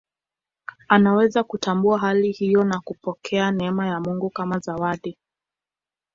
Anaweza kutambua hali hiyo na kupokea neema ya Mungu kama zawadi.